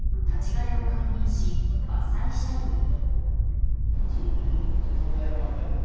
去年１１月に立ち枯れを確認し伐採したといい。